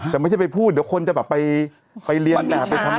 แต่ไม่ใช่ไปพูดเดี๋ยวคนจะแบบไปไปเรียนแต่ไปทำอะไรไม่ได้นะ